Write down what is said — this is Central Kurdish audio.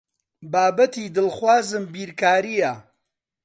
بابەتی دڵخوازم بیرکارییە.